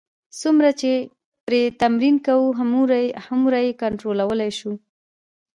څومره چې پرې تمرین کوو، هغومره یې کنټرولولای شو.